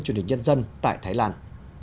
truyền hình nhân dân tại thái lan